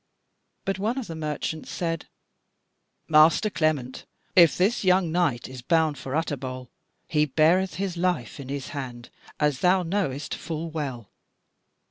But one of the merchants said: "Master Clement, if this young knight is boun for Utterbol, he beareth his life in his hand, as thou knowest full well.